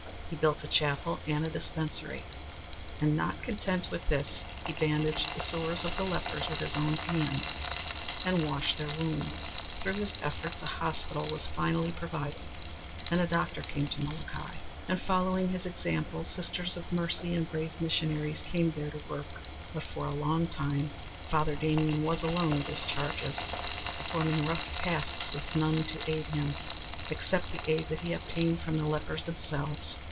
He built a chapel and a dispensary, and not content with this he bandaged the sores of the lepers with his own hands, and washed their wounds. Through his efforts a hospital was finally provided and a doctor came to Molokai, and following his example sisters of mercy and brave missionaries came there to work, but for a long time Father Damien was alone with his charges, performing rough tasks with none to aid him, except the aid that he obtained from the lepers themselves.